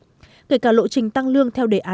ngay cả lộ trình tăng lương theo đề án